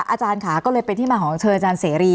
อาจารย์ค่ะก็เลยเป็นที่มาของเชิญอาจารย์เสรี